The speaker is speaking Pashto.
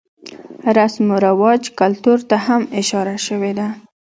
رسم رواج ،کلتور ته هم اشاره شوې ده.